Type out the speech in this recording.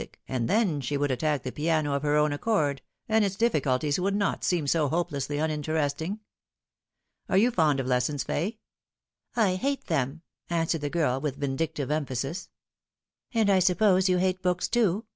ic, and then she would attack the piano of her own accord, and its difficulties would not seem so hopelessly uninteresting. Are you fond of lessons, Fay ?"" I hate them," answered the girl, with vindictive emphasis. " And I suppose you hate books too